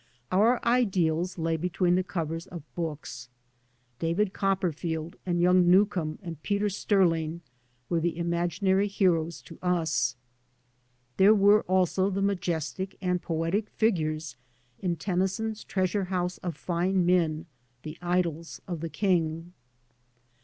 Our ideals lay between the covers of books. David Copperfield and young Newcome and Peter Stirling were the imaginary heroes to us. There were also the majestic and poetic fig ures in Tennyson's treasure house of fine men: *' The Idylls of the King."